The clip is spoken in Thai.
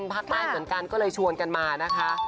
ภาคใต้เหมือนกันก็เลยชวนกันมานะคะ